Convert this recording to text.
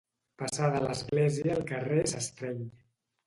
Passada l'església el carrer s'estreny.